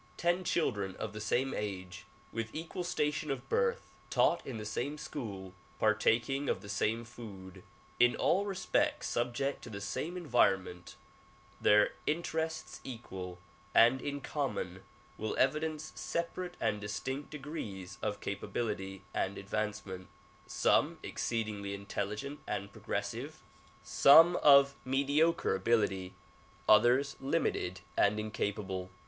Ten children of the same age, with equal station of birth, taught in the same school, partaking of the same food, in all respects .subject to the same environment, their interests equal and in com mon, will evidence separate and distinct degrees of capability and advancement ; some exceedingly intelligent and progressive, some 82 THE PROMULGATION OF UNIVERSAL PEACE of mediocre ability, others limited and incapable.